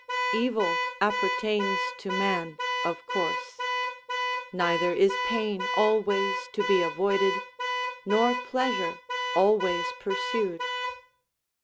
Evil appertains to man of course. Neither is pain always to be avoided, nor pleasure always pursued.